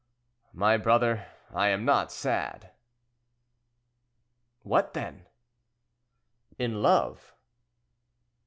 "My brother, I am not sad." "What, then?" "In love."